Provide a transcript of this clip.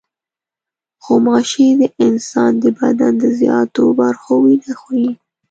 غوماشې د انسان د بدن د زیاتو برخو وینه خوري.